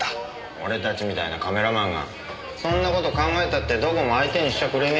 俺たちみたいなカメラマンがそんな事考えたってどこも相手にしちゃくれねえよ。